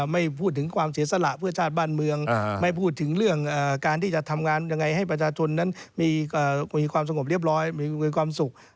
ไม่พูดถึงความเสียสละเพื่อชาติบ้านเมืองไม่พูดถึงเรื่องการที่จะทำงานยังไงให้ประชาชนนั้นมีความสงบเรียบร้อยมีความสุข